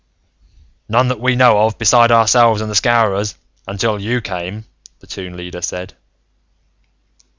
"None that we know of, beside ourselves and the Scowrers, until you came," the Toon Leader said.